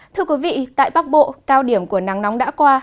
thưa quý vị tại bắc bộ cao điểm của nắng nóng đã qua